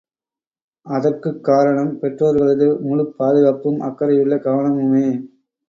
அதற்குக் காரணம் பெற்றோர்களது முழுப் பாதுகாப்பும் அக்கறையுள்ள கவனமுமே.